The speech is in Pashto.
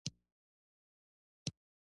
څومره یو ځای له بله لرې و.